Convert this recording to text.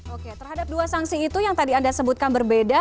oke terhadap dua sanksi itu yang tadi anda sebutkan berbeda